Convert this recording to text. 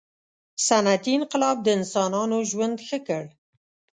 • صنعتي انقلاب د انسانانو ژوند ښه کړ.